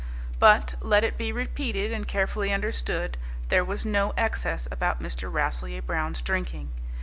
But let it be repeated and carefully understood there was no excess about Mr. Rasselyer Brown's drinking.